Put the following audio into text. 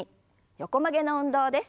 横曲げの運動です。